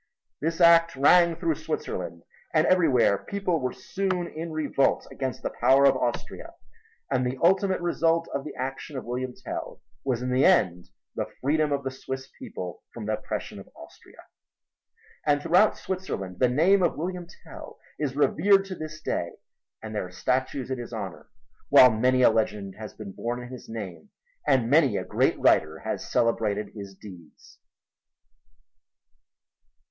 This act rang through Switzerland, and everywhere people were soon in revolt against the power of Austria. And the ultimate result of the action of William Tell was in the end the freedom of the Swiss people from the oppression of Austria. And throughout Switzerland the name of William Tell is revered to this day and there are statues in his honor, while many a legend has been born in his name and many a great writer has celebrated his deeds.